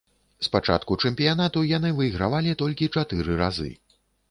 З пачатку чэмпіянату яны выйгравалі толькі чатыры разы.